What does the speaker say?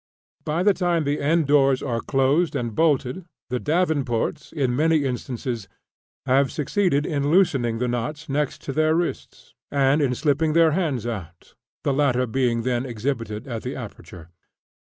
By the time the end doors are closed and bolted, the Davenports, in many instances, have succeeded in loosening the knots next their wrists, and in slipping their hands out, the latter being then exhibited at the aperture.